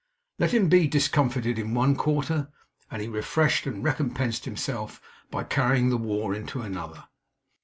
Let him be discomfited in one quarter, and he refreshed and recompensed himself by carrying the war into another.